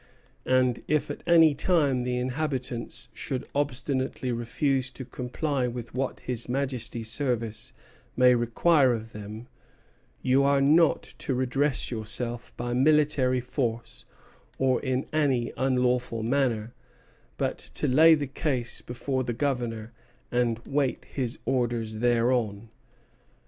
And if at any time the inhabitants should obstinately refuse to comply with what His Majesty's service may require of them, you are not to redress yourself by military force or in any unlawful manner, but to lay the case before the Governor and wait his orders thereon."